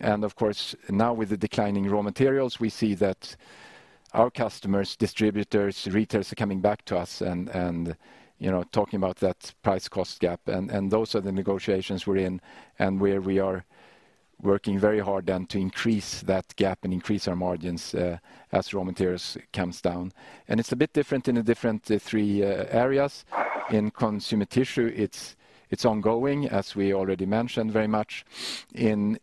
Of course, now with the declining raw materials, we see that our customers, distributors, retailers, are coming back to us and, you know, talking about that price cost gap. Those are the negotiations we're in, and where we are working very hard then to increase that gap and increase our margins as raw materials comes down. It's a bit different in the different, 3 areas. In consumer tissue, it's ongoing, as we already mentioned, very much. In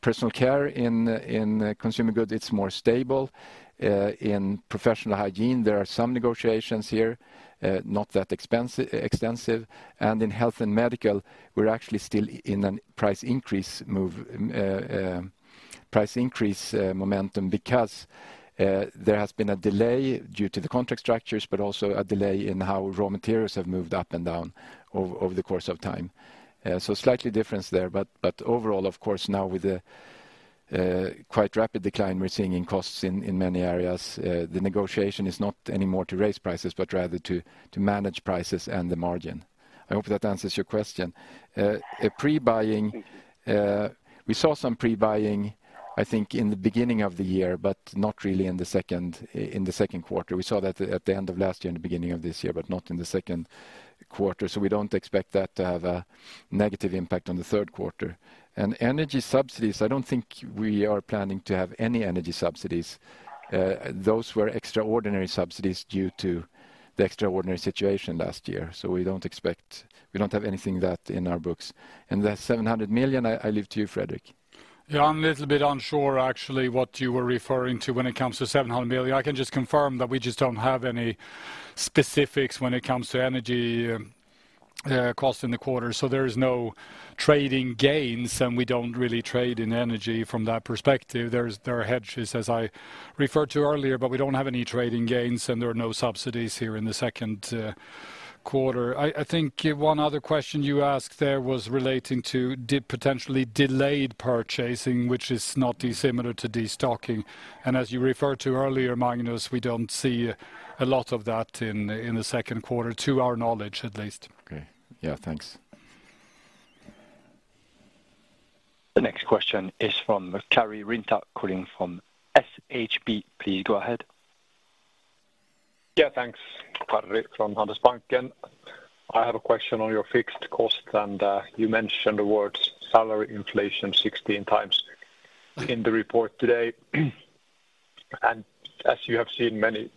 personal care, in consumer goods, it's more stable. In Professional Hygiene, there are some negotiations here, not that extensive. In Health & Medical, we're actually still in an price increase move, price increase momentum because there has been a delay due to the contract structures, but also a delay in how raw materials have moved up and down over the course of time. Slightly difference there, but overall, of course, now with the quite rapid decline we're seeing in costs in many areas, the negotiation is not anymore to raise prices, but rather to manage prices and the margin. I hope that answers your question. The pre-buying, we saw some pre-buying, I think, in the beginning of the year, but not really in the second, in the Q2. We saw that at the end of last year and the beginning of this year, but not in the Q2. We don't expect that to have a negative impact on the Q3. Energy subsidies, I don't think we are planning to have any energy subsidies. Those were extraordinary subsidies due to the extraordinary situation last year. We don't have anything that in our books. That 700 million, I leave to you, Fredrik. Yeah, I'm a little bit unsure, actually, what you were referring to when it comes to 700 million. I can just confirm that we just don't have any specifics when it comes to energy cost in the quarter, so there is no trading gains, and we don't really trade in energy from that perspective. There are hedges, as I referred to earlier, but we don't have any trading gains, and there are no subsidies here in the Q2. I think one other question you asked there was relating to potentially delayed purchasing, which is not dissimilar to destocking. As you referred to earlier, Magnus, we don't see a lot of that in the Q2, to our knowledge, at least. Okay. Yeah, thanks. The next question is from Kari Rinta, calling from SHB. Please go ahead. Yeah, thanks. Kari from Handelsbanken. I have a question on your fixed cost. You mentioned the words salary inflation 16 times in the report today. As you have seen, many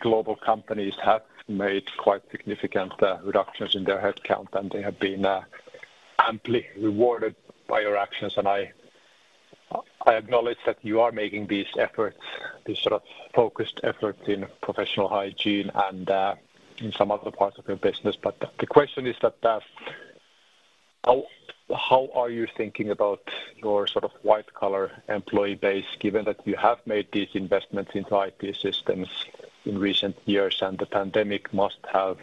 global companies have made quite significant reductions in their headcount, and they have been amply rewarded by your actions. I acknowledge that you are making these efforts, these sort of focused efforts in Professional Hygiene and in some other parts of your business. The question is that, how are you thinking about your, sort of, white-collar employee base, given that you have made these investments into IT systems in recent years, and the pandemic must have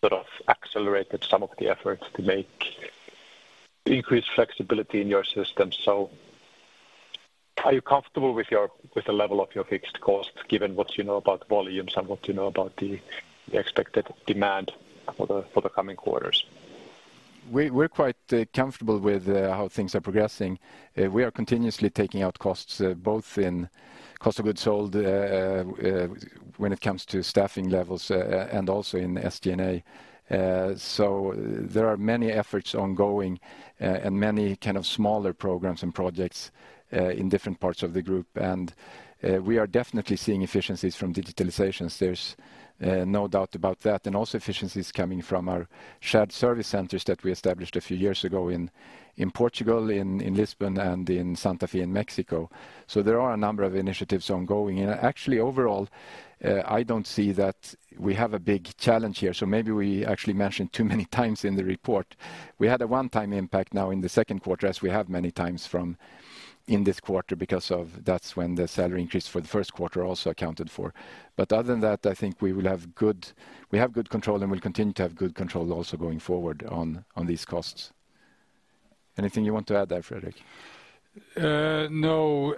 sort of accelerated some of the efforts to make increased flexibility in your system? Are you comfortable with the level of your fixed costs, given what you know about volumes and what you know about the expected demand for the coming quarters? We're quite comfortable with how things are progressing. We are continuously taking out costs, both in cost of goods sold, when it comes to staffing levels, and also in SG&A. There are many efforts ongoing, and many kind of smaller programs and projects in different parts of the group. We are definitely seeing efficiencies from digitalizations. There's no doubt about that, and also efficiencies coming from our shared service centers that we established a few years ago in Portugal, in Lisbon, and in Santa Fe, in Mexico. There are a number of initiatives ongoing. Actually, overall, I don't see that we have a big challenge here, so maybe we actually mentioned too many times in the report. We had a one-time impact now in the Q2, as we have many times from... in this quarter because of that's when the salary increase for the Q1 also accounted for. Other than that, I think we will have good control, and we'll continue to have good control also going forward on these costs. Anything you want to add there, Fredrik? No.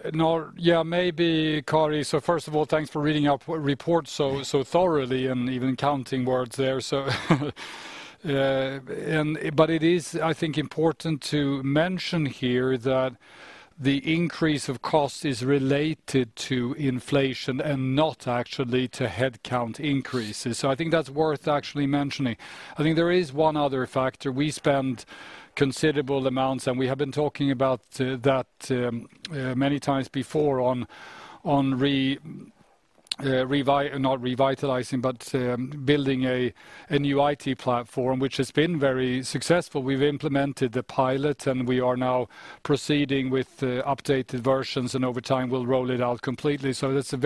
Yeah, maybe, Kari. First of all, thanks for reading our report so thoroughly and even counting words there. It is, I think, important to mention here that the increase of cost is related to inflation and not actually to headcount increases, so I think that's worth actually mentioning. I think there is one other factor. We spent considerable amounts, and we have been talking about that many times before on not revitalizing, but building a new IT platform, which has been very successful. We've implemented the pilot, and we are now proceeding with the updated versions, and over time, we'll roll it out completely. That's a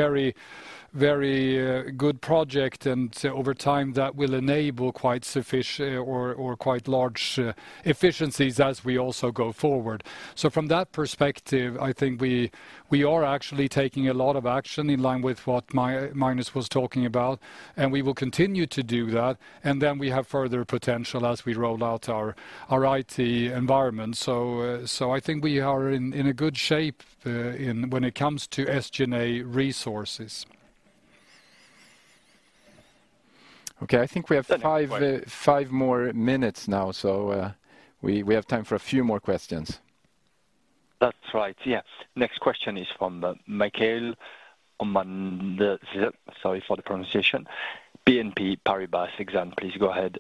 very good project, and over time, that will enable quite sufficient or quite large efficiencies as we also go forward. From that perspective, I think we are actually taking a lot of action in line with what Magnus was talking about, and we will continue to do that. Then we have further potential as we roll out our IT environment. I think we are in a good shape when it comes to SG&A resources. Okay, I think we have 5 more minutes now, so, we have time for a few more questions. That's right. Yeah. Next question is from Mikheil Omanadze. Sorry for the pronunciation. BNP Paribas Exane. Please go ahead.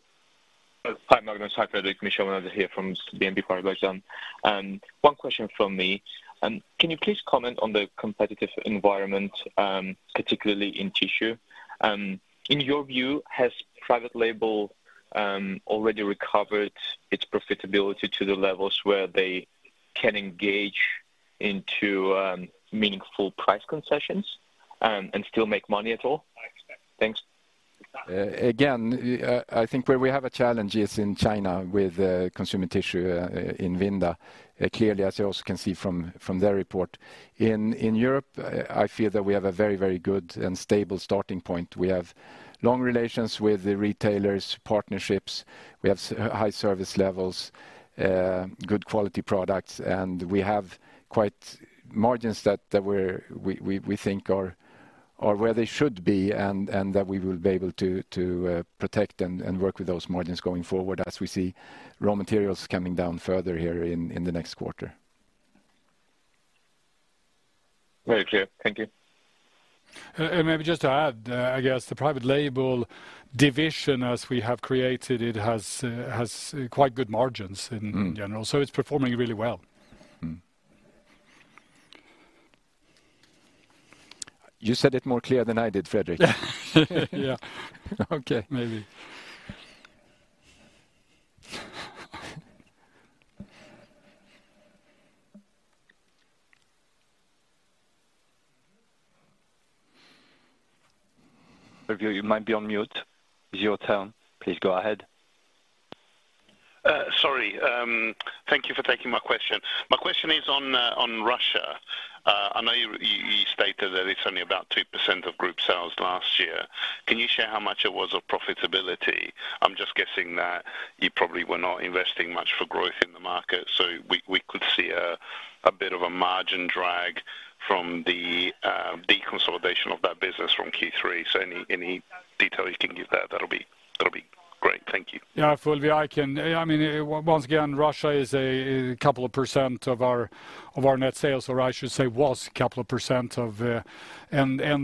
Hi, Mikheil Omanadze here from BNP Paribas Exane. One question from me. Can you please comment on the competitive environment, particularly in tissue? In your view, has private label already recovered its profitability to the levels where they can engage into meaningful price concessions and still make money at all? Thanks. Again, I think where we have a challenge is in China with consumer tissue in Vinda. Clearly, as you also can see from their report. In Europe, I feel that we have a very, very good and stable starting point. We have long relations with the retailers, partnerships, we have high service levels, good quality products, and we have quite margins that we think are where they should be, and that we will be able to protect and work with those margins going forward as we see raw materials coming down further here in the next quarter. Very clear. Thank you. Maybe just to add, I guess the private label division, as we have created it, has, quite good margins in. Mm general, so it's performing really well. You said it more clear than I did, Fredrik. Yeah. Okay. Maybe. You might be on mute. It's your turn. Please go ahead. Sorry. Thank you for taking my question. My question is on Russia. I know you stated that it's only about 2% of group sales last year. Can you share how much it was of profitability? I'm just guessing that you probably were not investing much for growth in the market, so we could see a bit of a margin drag from the deconsolidation of that business from Q3. Any detail you can give there, that'll be great. Thank you. Fulvio, I can... I mean, once again, Russia is a couple of % of our net sales, or I should say, was a couple of %.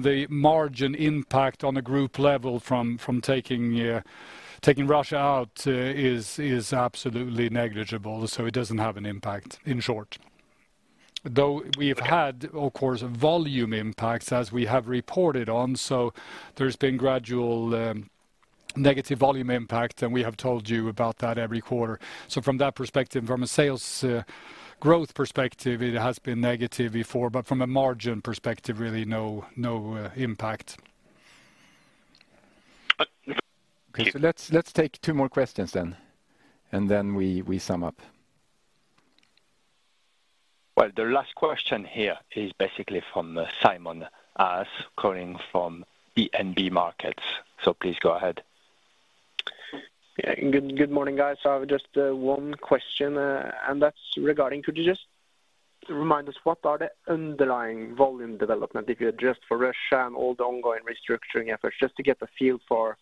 The margin impact on the group level from taking Russia out is absolutely negligible, so it doesn't have an impact, in short. Though we've had, of course, volume impacts as we have reported on, so there's been gradual negative volume impact, and we have told you about that every quarter. From that perspective, from a sales growth perspective, it has been negative before, but from a margin perspective, really no impact. Thank you. Let's take 2 more questions, we sum up. The last question here is basically from Simen Aas, calling from DNB Markets. Please go ahead. Yeah. Good morning, guys. I have just one question, that's regarding: could you just remind us what are the underlying volume development, if you adjust for Russia and all the ongoing restructuring efforts, just to get a feel for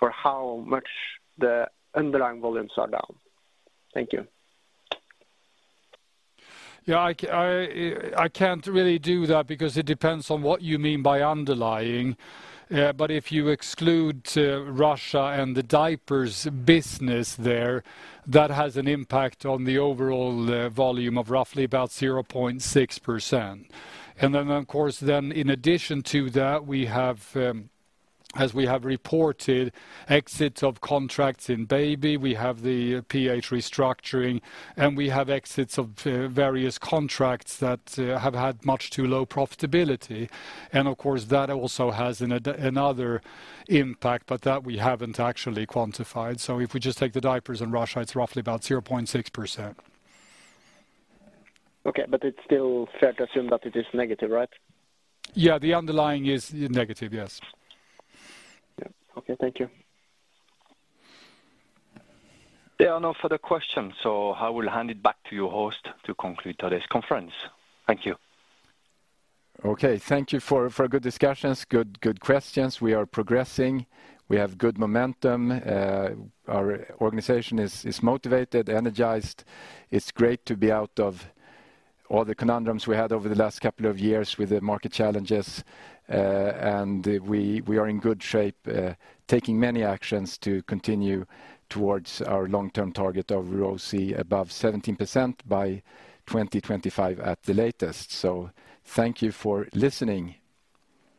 how much the underlying volumes are down? Thank you. I can't really do that because it depends on what you mean by underlying. If you exclude Russia and the diapers business there, that has an impact on the overall volume of roughly about 0.6%. Of course, in addition to that, we have, as we have reported, exits of contracts in baby, we have the PH restructuring, and we have exits of various contracts that have had much too low profitability. Of course, that also has another impact that we haven't actually quantified. If we just take the diapers in Russia, it's roughly about 0.6%. Okay, it's still fair to assume that it is negative, right? Yeah, the underlying is negative, yes. Yeah. Okay, thank you. There are no further questions, so I will hand it back to you host to conclude today's conference. Thank you. Okay. Thank you for a good discussions, good questions. We are progressing. We have good momentum. Our organization is motivated, energized. It's great to be out of all the conundrums we had over the last couple of years with the market challenges. And we are in good shape, taking many actions to continue towards our long-term target of ROC above 17% by 2025 at the latest. Thank you for listening.